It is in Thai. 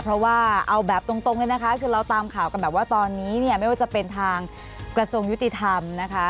เพราะว่าเอาแบบตรงเลยนะคะคือเราตามข่าวกันแบบว่าตอนนี้เนี่ยไม่ว่าจะเป็นทางกระทรวงยุติธรรมนะคะ